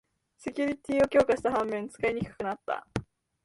セキュリティーを強化した反面、使いにくくなった